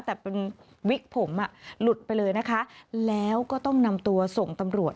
แต่เป็นวิกผมอ่ะหลุดไปเลยนะคะแล้วก็ต้องนำตัวส่งตำรวจ